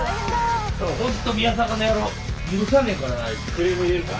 クレーム入れるか。